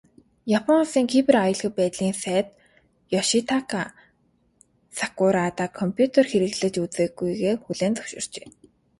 Япон улсын Кибер аюулгүй байдлын сайд Ёшитака Сакурада компьютер хэрэглэж үзээгүйгээ хүлээн зөвшөөрчээ.